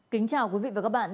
kính chào quý vị và các bạn